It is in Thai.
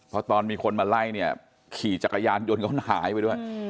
เพราะตอนมีคนมาไล่เนี่ยขี่จักรยานยนต์เขาหายไปด้วย